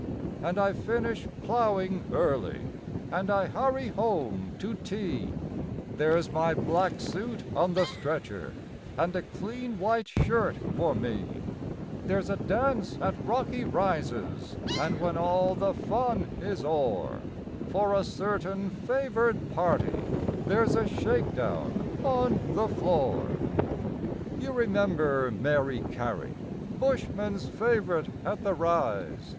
And I finish ploughing early, And I hurry home to tea There's my black suit on the stretcher, And a clean white shirt for me ; There's a dance at Rocky Rises, And, when they can dance no more, For a certain favoured party There's a shakedown on the floor. You remember Mary Carey, Bushmen's favourite at The Rise?